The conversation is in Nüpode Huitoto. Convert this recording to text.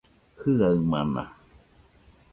Jiaɨamana